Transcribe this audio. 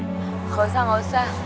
gak usah gak usah